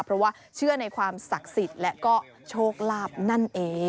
เพราะว่าเชื่อในความศักดิ์สิทธิ์และก็โชคลาภนั่นเอง